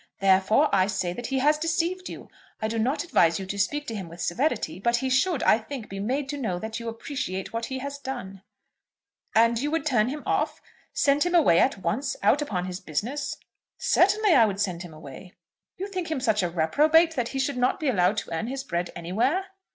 Therefore I say that he has deceived you. I do not advise you to speak to him with severity; but he should, I think, be made to know that you appreciate what he has done." "And you would turn him off; send him away at once, out about his business?" "Certainly I would send him away." "You think him such a reprobate that he should not be allowed to earn his bread anywhere?"